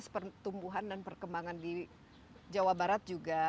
pertumbuhan dan perkembangan di jawa barat juga